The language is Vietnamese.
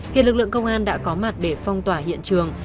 hiện lực lượng công an đã có mặt để phong tỏa hiện trường